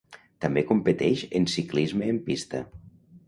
També competeix en ciclisme en pista.